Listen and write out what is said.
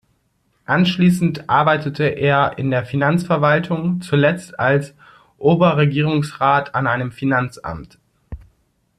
Anschließend arbeitete er in der Finanzverwaltung, zuletzt als Oberregierungsrat an einem Finanzamt.